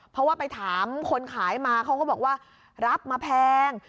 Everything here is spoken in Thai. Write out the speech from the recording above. เพราะว่าไปถามคนขายมาเขาก็บอกว่ารับมาแพง